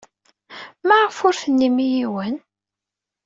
Maɣef ur tennim i yiwen?